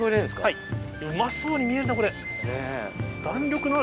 うまそうに見えるなこれ。